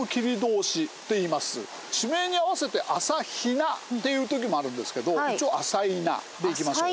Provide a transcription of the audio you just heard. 地名に合わせて「あさひな」って言う時もあるんですけど一応「あさいな」でいきましょう。